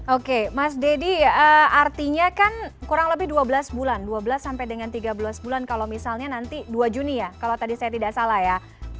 oke mas deddy artinya kan kurang lebih dua belas bulan dua belas sampai dengan tiga belas bulan kalau misalnya nanti dua juni ya kalau tadi saya tidak salah ya